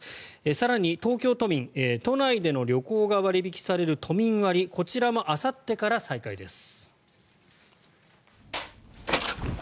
更に東京都民都内での旅行が割引される都民割こちらもあさってから再開です。